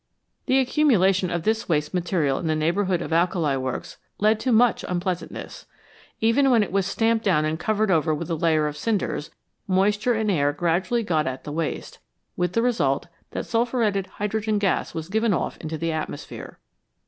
The accumulation of this waste material in the neigh bourhood of alkali works led to much unpleasantness. Even when it was stamped down and covered over with a layer of cinders, moisture and air gradually got at the waste, with the result that sulphuretted hydrogen gas was given off into the atmosphere.